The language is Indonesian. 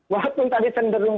walaupun tadi cenderung